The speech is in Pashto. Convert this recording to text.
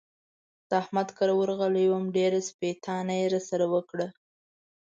د احمد کره ورغلی وم؛ ډېره سپېتانه يې را سره وکړه.